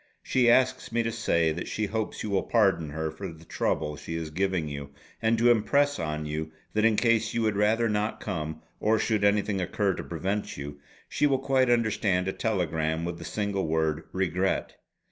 She asks me to say that she hopes you will pardon her for the trouble she is giving you, and to impress on you that in case you would rather not come, or should anything occur to prevent you, she will quite understand a telegram with the single word 'regret.'